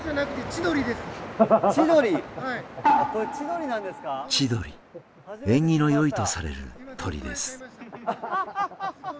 千鳥縁起のよいとされる鳥です。